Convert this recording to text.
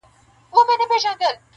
دا چي امیل نه سومه ستا د غاړي ،